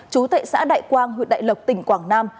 chú tệ xã đại quang huyện đại lộc tỉnh quảng nam